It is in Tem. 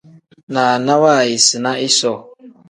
Naana waayisina isoo.